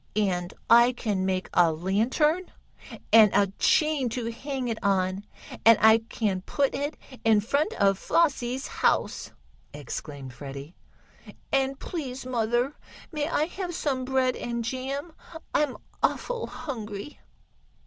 "And I can make a lantern, and a chain to hang it on, and I can put it in front of Flossie's house!" exclaimed Freddie. "And, please, mother, may I have some bread and jam. I'm awful hungry."